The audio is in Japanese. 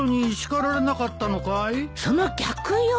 その逆よ。